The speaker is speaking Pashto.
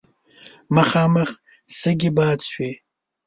مخامخ شګې باد شوې.